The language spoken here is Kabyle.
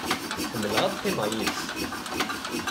Ḥemmleɣ ad qqimeɣ yid-s.